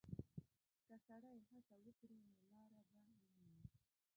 که سړی هڅه وکړي، نو لاره به ومومي.